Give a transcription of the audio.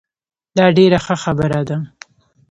دا ډیره ښه خبره ده